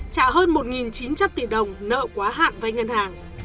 trả hơn một chín trăm linh tỷ đồng nợ quá hạn vay ngân hàng